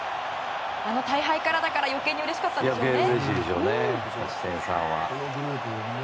あの大敗からだから余計にうれしかったでしょうね。